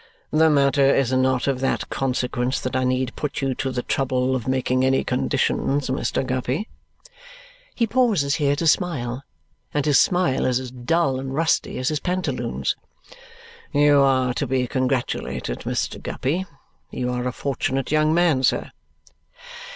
"The matter is not of that consequence that I need put you to the trouble of making any conditions, Mr. Guppy." He pauses here to smile, and his smile is as dull and rusty as his pantaloons. "You are to be congratulated, Mr. Guppy; you are a fortunate young man, sir."